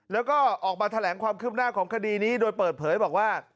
แล้วก็ออกมาแถลงความคืบหน้าของคดีนี้โดยเปิดเผยบอกว่า